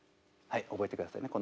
はい覚えてくださいね